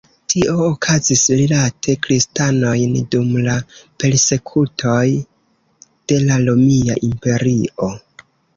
Tio okazis rilate kristanojn dum la persekutoj de la Romia Imperio.